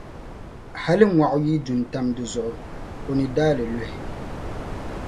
hali ŋɔɣu yi du n-tam di zuɣu, o ni daai li luhi!